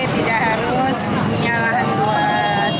tidak harus minyalah luas